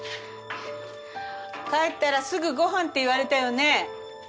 帰ったらすぐご飯って言われたよね。